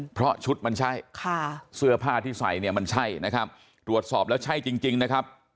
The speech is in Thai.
เพราะชุดมันใช่ค่ะเสื้อผ้าที่ใส่เนี่ยมันใช่นะครับตรวจสอบแล้วใช่จริงนะครับ